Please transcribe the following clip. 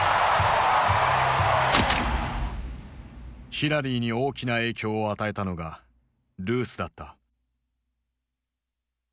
ヒラリーに大きな影響を与えたのがルースだった。